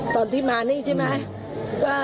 ตอนที่มานี่ใช่ไหม